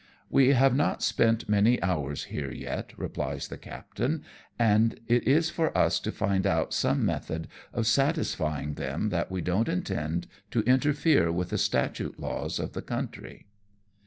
" "We have not spent many hours here yet," replies the captain, " and it is for us to find out some method of satisfying them that we don't intend to interfere with the statute laws of the country."